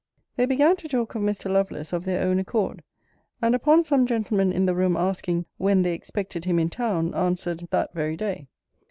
They began to talk of Mr. Lovelace of their own accord; and upon some gentlemen in the room asking, when they expected him in town, answered, that very day.